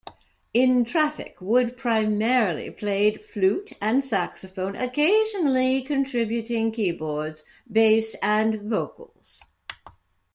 In Traffic, Wood primarily played flute and saxophone, occasionally contributing keyboards, bass and vocals.